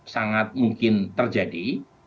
sangat mungkin terjadi